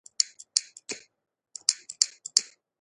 چي ترانې مي ورته ویلې